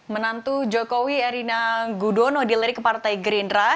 menantu jokowi erina gudono dilerik ke partai gerindra